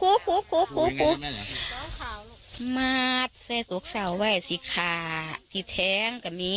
คู่หูหูหูหูหูหูหมากให้เว่ยสิคราที่แท้งกับหมี่